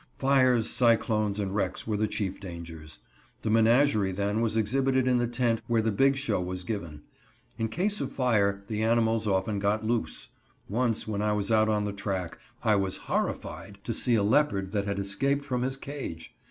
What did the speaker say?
Fires, cyclones, and wrecks were the chief dangers. The menagerie then was exhibited in the tent where the big show was given. In case of fire, the animals often got loose. Once, when I was out on the track, I was horrified to see a leopard that had escaped from his cage.